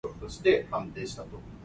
戇甲袂曉抓癢